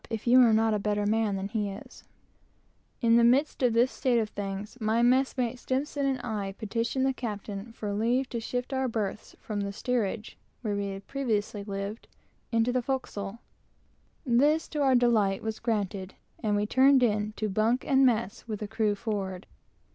In this midst of this state of things, my messmate S and myself petitioned the captain for leave to shift our berths from the steerage, where we had previously lived, into the forecastle. This, to our delight, was granted, and we turned in to bunk and mess with the crew forward.